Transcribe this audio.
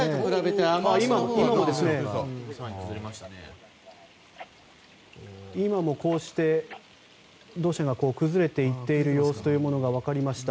あ、今もこうして土砂が崩れていっている様子が分かりました。